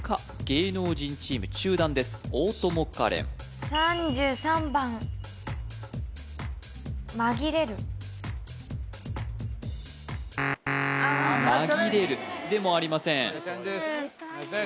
芸能人チーム中段です大友花恋「まぎれる」でもありません